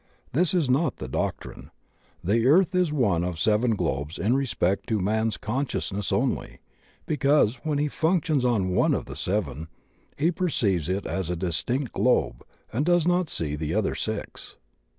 This is not the doctrine. The earth is one of seven globes in respect to man's consciousness only, because when he functions on one of the seven he perceives it as a distinct globe and does not see the other six.